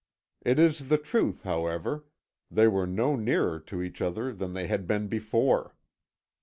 It is the truth, however; they were no nearer to each other than they had been before.